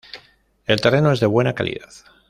El terreno es de buena calidad.